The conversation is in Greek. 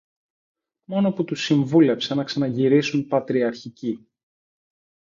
Μόνο που τους συμβούλεψε να ξαναγυρίσουν πατριαρχικοί